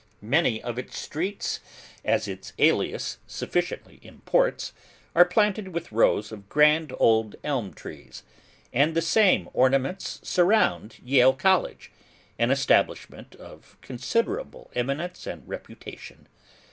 Many of its streets (as its alias sufficiently imports) are planted with rows of grand old elm trees; and the same natural ornaments surround Yale College, an establishment of considerable eminence and reputation.